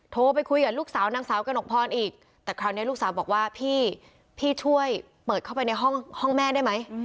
โทรไปคุยกับลูกสาวนางสาวกระหนกพรอีกแต่คราวนี้ลูกสาวบอกว่าพี่พี่ช่วยเปิดเข้าไปในห้องแม่ได้ไหม